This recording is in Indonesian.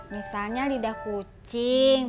misalnya lidah kucing